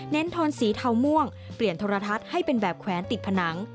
ทอนสีเทาม่วงเปลี่ยนโทรทัศน์ให้เป็นแบบแขวนติดผนัง